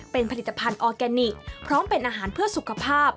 เป็นผลิตภัณฑ์ออร์แกนิคพร้อมเป็นอาหารเพื่อสุขภาพ